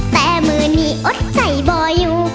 แต่หนึ่งอดใจบ่อยิ้ว